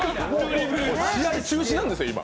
試合中止なんですよ、今。